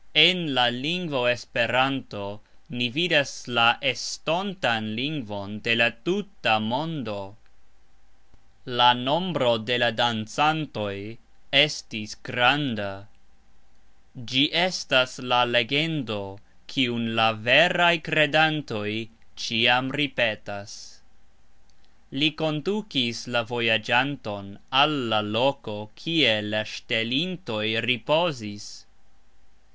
En la lingvo Esperanto ni vidas la estontan lingvon de la tuta mondo. La nombro de la dancantoj estis granda. Gxi estas la legendo, kiun la veraj kredantoj cxiam ripetas. Li kondukis la vojagxanton al la loko, kie la sxtelintoj ripozis.